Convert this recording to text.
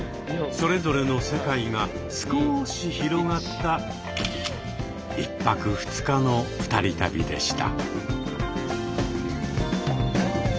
それぞれの世界が少し広がった１泊２日の二人旅でした。